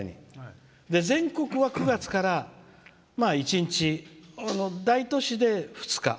全国は９月から１日大都市で２日。